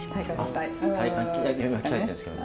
体幹今鍛えてるんですけどね。